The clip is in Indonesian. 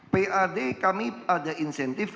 pad kami ada insentif